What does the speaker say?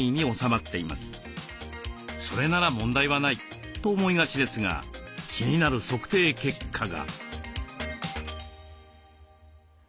それなら問題はないと思いがちですが気になる測定結果が。